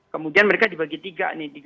kemudian mereka dibagi tiga nih